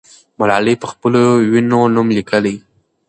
ملالۍ پخپلو وینو نوم لیکي.